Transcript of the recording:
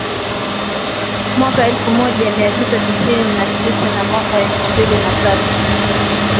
mwaka elfu moja mia tisa tisini na tisa na mwaka elfu mbili na tatu